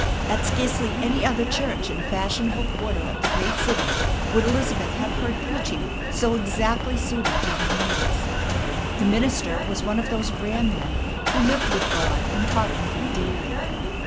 At scarcely any other church in a fashionable quarter of the great city would Elizabeth have heard preaching so exactly suited to her needs. The minister was one of those rare men who lived with God, and talked with Him daily.